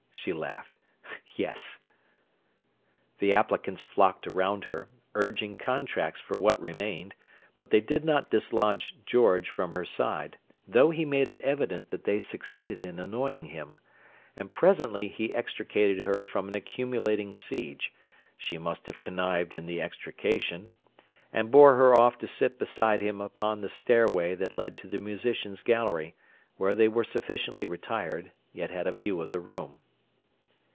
she laughed. "Yes!" The applicants flocked round her, urging contracts for what remained, but they did not dislodge George from her side, though he made it evident that they succeeded in annoying him; and presently he extricated her from an accumulating siege—she must have connived in the extrication—and bore her off to sit beside him upon the stairway that led to the musicians' gallery, where they were sufficiently retired, yet had a view of the room.